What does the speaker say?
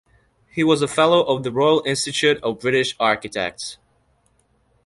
He was a fellow of the Royal Institute of British Architects.